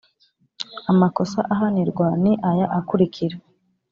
Amakosa ahanirwa ni aya akurikira